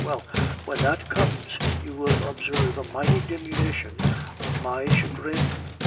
Well, when that comes, you will observe a mighty diminution of my chagrin."